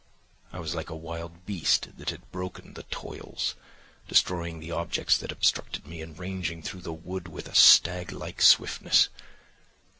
I was like a wild beast that had broken the toils, destroying the objects that obstructed me and ranging through the wood with a stag like swiftness.